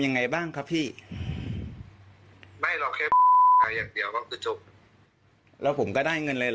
นี่ก็ไม่เคยเหมือนกัน